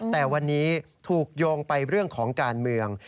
แต่วันนี้ถูกโยงไปเรื่องของการเมือง